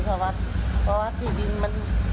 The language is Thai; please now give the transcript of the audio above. เพราะว่าที่ดินมัน